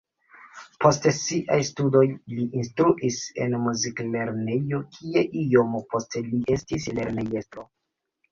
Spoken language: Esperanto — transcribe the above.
Post siaj studoj li instruis en muziklernejo, kie iom poste li estis lernejestro.